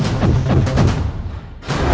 aku akan menang